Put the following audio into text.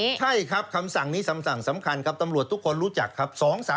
ใช่ครับคำสั่งนี้คำสั่งสำคัญครับตำรวจทุกคนรู้จักครับ